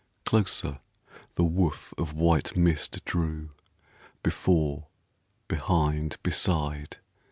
Closer the woof of white mist drew, Before, behind, beside.